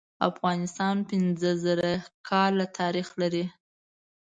افغانستان پینځه زره کاله تاریخ لري.